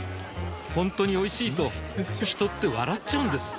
ほんとにおいしいと人って笑っちゃうんです